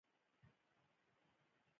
په نننۍ نړۍ کې ګڼې لارې شته